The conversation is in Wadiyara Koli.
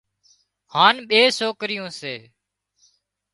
هانَ ٻي سوڪريون سي